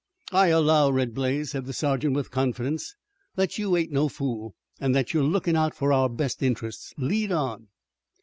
"I allow, Red Blaze," said the sergeant with confidence, "that you ain't no fool, an' that you're lookin' out for our best interests. Lead on."